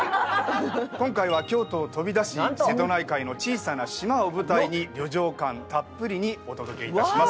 今回は京都を飛び出し瀬戸内海の小さな島を舞台に旅情感たっぷりにお届けいたします。